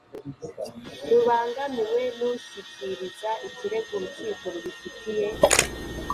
rubangamiwe rushyikiriza ikirego urukiko rubifitiye